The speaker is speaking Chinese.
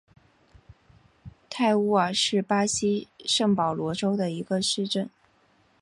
泰乌瓦是巴西圣保罗州的一个市镇。